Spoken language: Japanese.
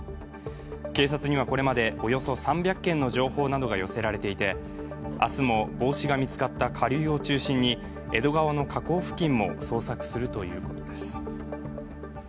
警察には、これまでおよそ３００件の情報などが寄せられていて明日も帽子が見つかった下流を中心に江戸川の河口付近も捜索するということです。